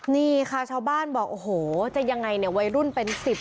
นี่ค่ะชาวบ้านบอกโอ้โหจะยังไงเนี่ยวัยรุ่นเป็น๑๐